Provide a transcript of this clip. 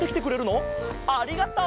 ありがとう！